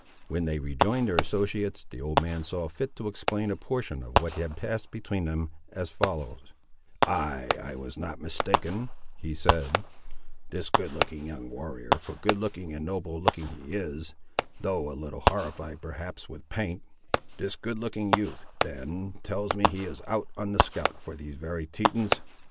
When they rejoined their associates, the old man saw fit to explain a portion of what had passed between them, as follows— "Ay, I was not mistaken," he said; "this good looking young warrior—for good looking and noble looking he is, though a little horrified perhaps with paint—this good looking youth, then, tells me he is out on the scout for these very Tetons.